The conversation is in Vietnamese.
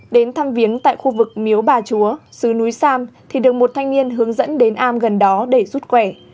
đến thăm viếng tại khu vực miếu bà chúa sứ núi sam thì được một thanh niên hướng dẫn đến am gần đó để rút khỏe